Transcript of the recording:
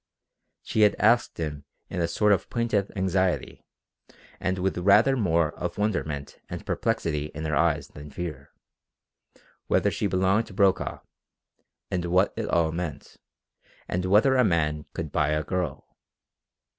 She had asked him in a sort of plaintive anxiety and with rather more of wonderment and perplexity in her eyes than fear, whether she belonged to Brokaw, and what it all meant, and whether a man could buy a girl.